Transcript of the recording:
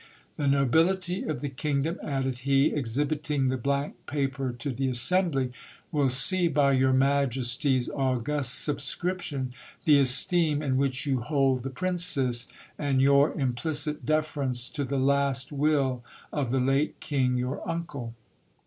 The nobility of the kingdom, added he, exhibiting the blank paper to the assembly, will see by your majesty's august subscription, the esteem in which you hold the princess, and your implicit deference to the last will of the late king your uncle.